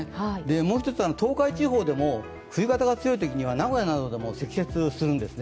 もう１つ、東海地方でも冬型が強いときには名古屋などでも積雪するんですね。